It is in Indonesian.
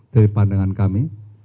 dari pandangan kami